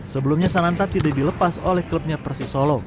sebelumnya sananta tidak dilepas oleh klubnya persisolo